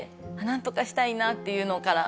なんとかしたいなっていうのから。